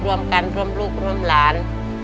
ร่วมกันร่วมลูกร่วมหลาน